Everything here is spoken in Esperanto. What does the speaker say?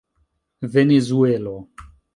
venezuelo